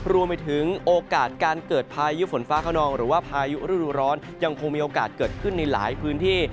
รวมไปถึงโอกาสการเกิดพายุฝนฟ้าขนองหรือว่าพายุฤดูร้อนยังคงมีโอกาสเกิดขึ้นในหลายพื้นที่